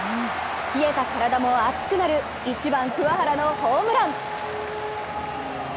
冷えた体も熱くなる１番・桑原のホームラン。